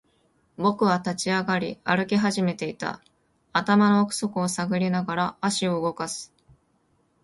僕は立ち上がり、歩き始めていた。頭の奥底を探りながら、足を動かす。